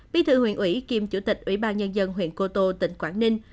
bí thư huyện ủy kiêm chủ tịch ủy ban nhân dân huyện cô tô tỉnh quảng ninh